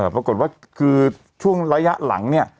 ปรากฏว่าคือช่วงระยะหลังเนี่ย